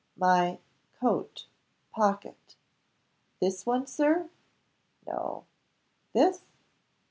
"My coat pocket." "This one, Sir?" "No." "This?"